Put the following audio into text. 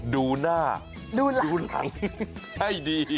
ดูหน้าดูหลังให้ดี